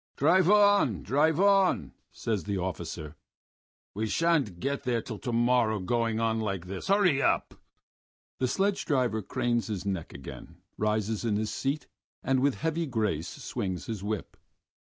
"Drive on! drive on!..." says the officer. "We shan't get there till to morrow going on like this. Hurry up!" The sledge driver cranes his neck again, rises in his seat, and with heavy grace swings his whip.